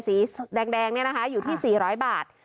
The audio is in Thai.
สีแดงอยู่ที่๔๐๐บาท